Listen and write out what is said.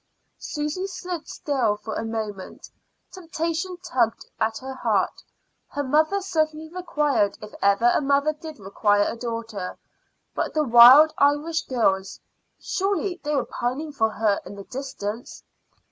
Susy stood still for a moment. Temptation tugged at her heart. Her mother certainly required if ever a mother did require a daughter. But the Wild Irish Girls surely they were pining for her in the distance!